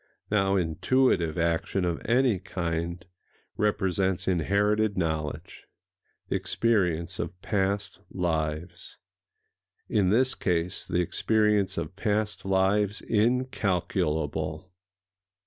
Now intuitive action of any kind represents inherited knowledge, the experience of past lives,—in this case the experience of past lives incalculable.